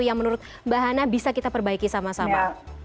yang menurut mbak hana bisa kita perbaiki sama sama